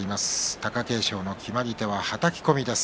貴景勝の決まり手ははたき込みです。